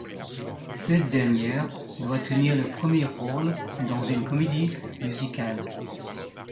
Cette dernière doit tenir le premier rôle dans une comédie musicale.